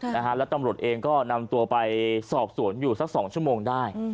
แล้วตำรวจเองก็นำตัวไปสอบสวนอยู่สักสองชั่วโมงได้